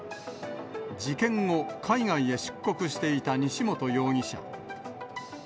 事件後、海外へ出国していた西本容疑者。